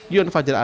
yon fajar adil